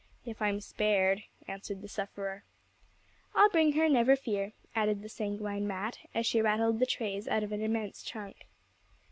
'If I'm spared,' answered the sufferer. 'I'll bring her, never fear,' added the sanguine Mat, as she rattled the trays out of an immense trunk.